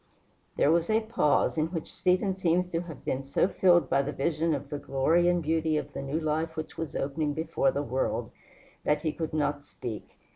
There was a pause, in which Stephen seems to have been so filled by the vision of the glory and beauty of the new life which was opening before the world, that he could not speak.